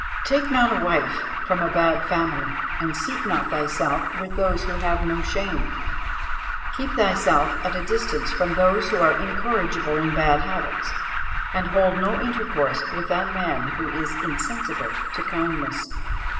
_ "Take not a wife from a bad family, and seat not thyself with those who have no shame. "Keep thyself at a distance from those who are incorrigible in bad habits, and hold no intercourse with that man who is insensible to kindness.